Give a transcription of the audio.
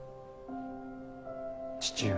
父上？